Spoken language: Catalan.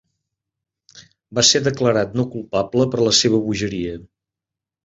Va ser declarat no culpable per la seva bogeria.